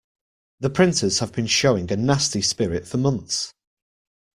The printers have been showing a nasty spirit for months.